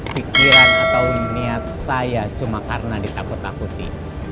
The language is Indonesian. pikiran atau niat saya cuma karena ditakut takuti